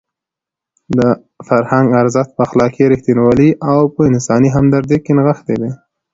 د فرهنګ ارزښت په اخلاقي رښتینولۍ او په انساني همدردۍ کې نغښتی دی.